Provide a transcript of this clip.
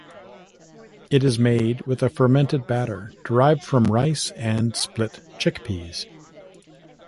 It is made with a fermented batter derived from rice and split chickpeas.